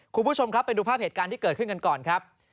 คุณผู้ชมครับไปดูภาพเหตุการณ์ที่เกิดขึ้นกันก่อนครับ